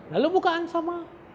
lalu bukaan sama